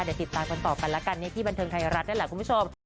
เดี๋ยวติดตามกันต่อกันแล้วกันในที่บันเทิงไทยรัฐนั่นแหละคุณผู้ชม